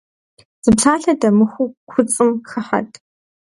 Зы псалъэ дэмыхуу куцӀым хыхьэт.